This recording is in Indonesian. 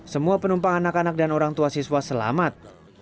semua penumpang anak anak dan orang tua siswa selamat